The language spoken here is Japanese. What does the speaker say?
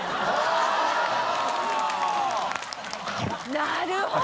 なるほど！